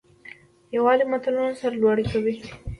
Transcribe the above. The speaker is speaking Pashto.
یووالی ملتونه سرلوړي کوي.